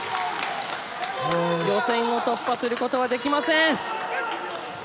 予選を突破することができません。